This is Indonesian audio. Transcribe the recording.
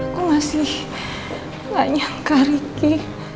aku masih gak nyangka ricky